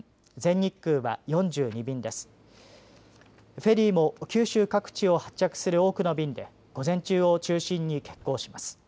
フェリーも九州各地を発着する多くの便で午前中を中心に欠航します。